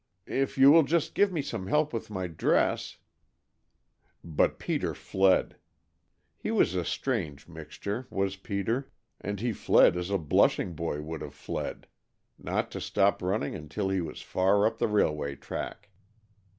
"If you will just give me some help with my dress " But Peter fled. He was a strange mixture, was Peter, and he fled as a blushing boy would have fled, not to stop running until he was far up the railway track.